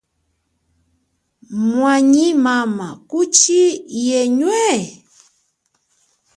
Mwanyi mama kuchi yenwe?